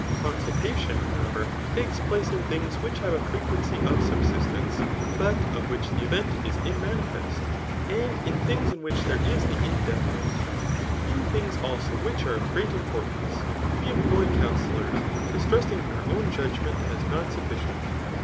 Consultation, however, takes place in things which have a frequency of subsistence, but of which the event is immanifest, and in things in which there is the indefinite. In things also which are of great importance, we employ counsellors, distrusting our own judgment as not sufficient.